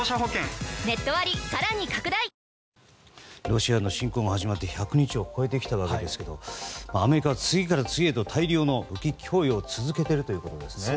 ロシアの侵攻が始まって１００日を超えてきたわけですけどアメリカは次から次へと大量の武器供与を続けているということですね。